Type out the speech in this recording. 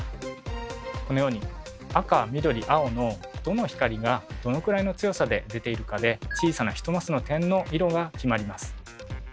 このように赤緑青のどの光がどのくらいの強さで出ているかで小さな１マスの点の色が決まります。